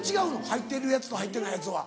入ってるやつと入ってないやつは。